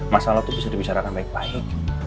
masalah itu bisa dibicarakan baik baik